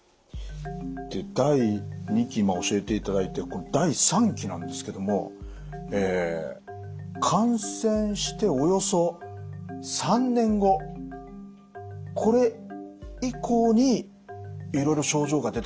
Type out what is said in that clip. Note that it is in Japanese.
で第２期教えていただいて第３期なんですけども感染しておよそ３年後これ以降にいろいろ症状が出てくるということなんですが。